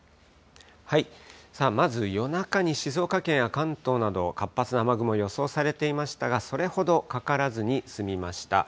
さあ、まず夜中に静岡県や関東など、活発な雨雲が予想されていましたが、それほどかからずに済みました。